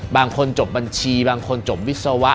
บางคนจบบัญชีบางคนจบวิศวะ